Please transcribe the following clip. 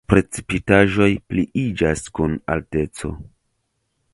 Precipitaĵoj pliiĝas kun alteco.